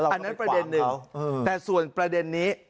อันนั้นประเด็นหนึ่งแต่ส่วนประเด็นนี้